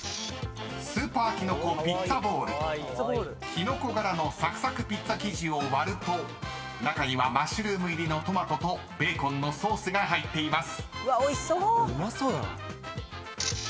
［キノコ柄のサクサクピッツァ生地を割ると中にはマッシュルーム入りのトマトとベーコンのソースが入っています］